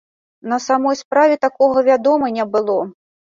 На самой справе, такога, вядома, не было.